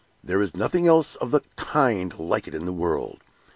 There is nothing else of the kind like it in the world!"